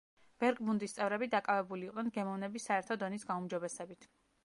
ვერკბუნდის წევრები დაკავებული იყვნენ გემოვნების საერთო დონის გაუმჯობესებით.